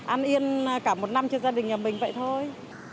ăn yên cả một năm cho gia đình nhà mình vậy thôi